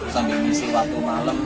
sambil ngisi waktu malam